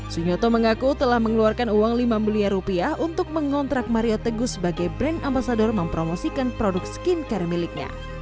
sunyoto mengaku telah mengeluarkan uang lima miliar rupiah untuk mengontrak mario teguh sebagai brand ambasador mempromosikan produk skincare miliknya